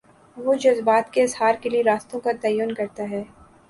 وہ جذبات کے اظہار کے لیے راستوں کا تعین کرتا ہے۔